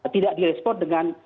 tidak diresport dengan